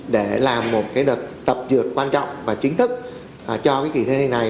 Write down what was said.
để làm một đợt tập dược quan trọng và chính thức cho cái kỳ thi này